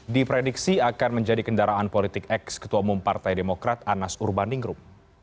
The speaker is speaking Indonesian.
diprediksi akan menjadi kendaraan politik ex ketua umum partai demokrat anas urbaningrum